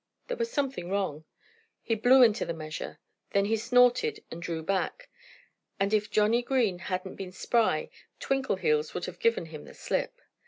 There was something wrong. He blew into the measure. Then he snorted and drew back. And if Johnnie Green hadn't been spry Twinkleheels would have given him the slip.